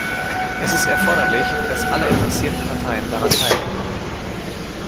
Es ist erforderlich, dass alle interessierten Parteien daran teilnehmen.